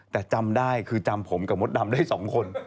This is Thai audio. แต่จำได้คือจำผมกับมดดำได้๒คน